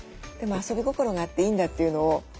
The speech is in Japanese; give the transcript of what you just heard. でも遊び心があっていいんだっていうのを。